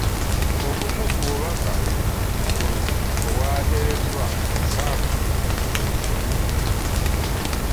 Obumu ku bubaka buno obwateereddwa ku Whatsapp bwe busomye.